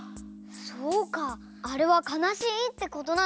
そうかあれはかなしいってことなんだ。